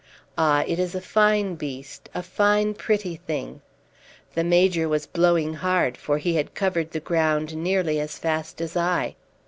"Ah, it is a fine beast a fine, pretty thing!" The Major was blowing hard, for he had covered the ground nearly as fast as I.